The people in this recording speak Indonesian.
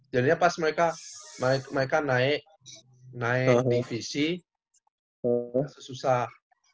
jadinya pas mereka naik divisi susah